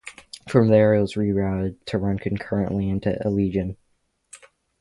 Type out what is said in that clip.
From there it was rerouted to run concurrently into Allegan.